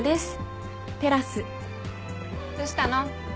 どしたの？